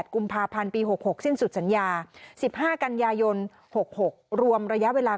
กุมภาพันธ์ปี๖๖สิ้นสุดสัญญา๑๕กันยายน๖๖รวมระยะเวลา